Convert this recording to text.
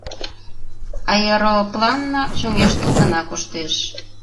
Аэропланла чоҥештыл гына коштеш…